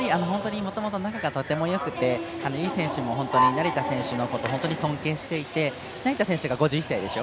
もともと本当に仲がとてもよくて由井選手も成田選手のことを本当に尊敬していて成田選手が５１歳でしょ。